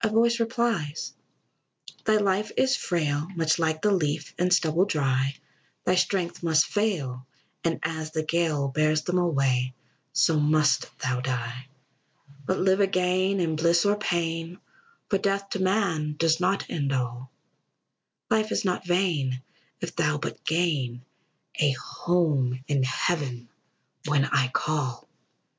A voice replies: "Thy life is frail, Much like the leaf and stubble dry; Thy strength must fail, and as the gale Bears them away, so must thou die; "But live again, in bliss, or pain; For death to man does not end all; Life is not vain, if thou but gain A home in heaven, when I shall call!